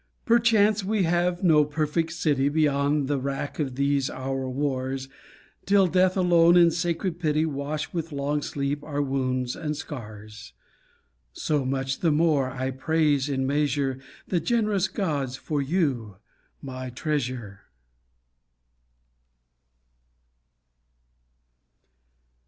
Perchance we have no perfect city Beyond the wrack of these our wars, Till Death alone in sacred pity Wash with long sleep our wounds and scars; So much the more I praise in measure The generous gods for you, my treasure.